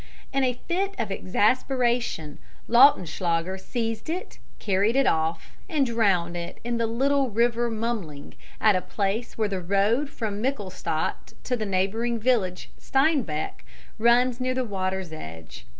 In a fit of exasperation Lautenschlager seized it, carried it off, and drowned it in the little River Mumling, at a place where the road from Michelstadt to the neighbouring village Steinbach runs near the water's edge.